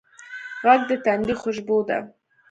غږ د تندي خوشبو ده